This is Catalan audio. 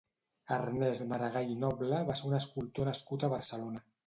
Ernest Maragall i Noble va ser un escultor nascut a Barcelona.